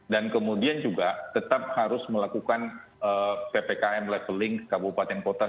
dan kemudian juga tetap harus melakukan ppkm leveling kabupaten kota